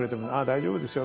大丈夫ですよ。